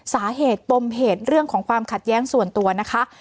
สาเหตุปมเหตุเรื่องของความขัดแย้งส่วนตัวนะคะ